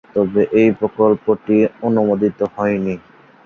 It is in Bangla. তবে এই প্রকল্পটি অনুমোদিত হয়নি।